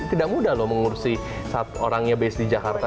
tidak mudah loh mengurusi saat orangnya base di jakarta